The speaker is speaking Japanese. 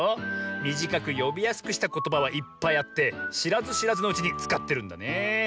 みじかくよびやすくしたことばはいっぱいあってしらずしらずのうちにつかってるんだねえ。